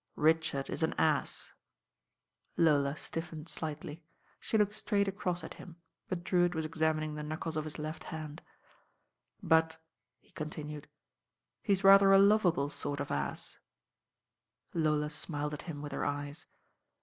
"Richard is an ass." Lola stiffened slightly. She looked straight across at him; but Drewitt was examining the knuckles of his left hand. ^j LORD DREWITT: ABIBASSADOR 807 "But," he continued, "he's rather a lovable lort of aw." Lola smiled at him with her eyet.